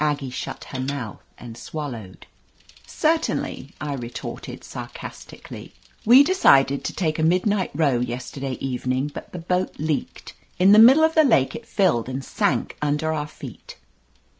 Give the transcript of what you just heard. Aggie shut her mouth and swallowed. "Certainly," I retorted sarcastically. "We decided to take a midnight row yesterday even 290 OF LETITIA CARBERRY ing, but the boat leaked. In the middle of the lake it filled and sank under our feet."